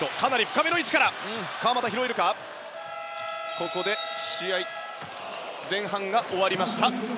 ここで前半が終わりました。